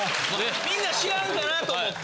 みんな知らんかなと思って。